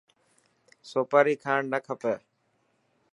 سوپاري کان نه کپي.